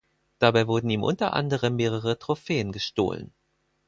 Dabei wurden ihm unter anderem mehrere Trophäen gestohlen.